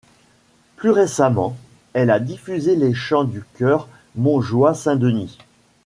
Plus récemment, elle a diffusé les chants du Chœur Montjoie Saint-Denis.